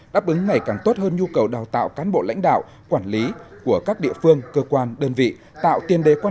đáp ứng ngày càng tốt hơn nhu cầu đào tạo cán bộ lãnh đạo quản lý của các địa phương cơ quan đơn vị